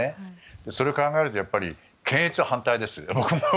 それを考えると検閲は僕も反対ですよ。